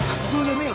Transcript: そうです。